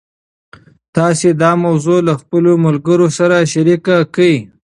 تاسي دا موضوع له خپلو ملګرو سره شریکه کړئ.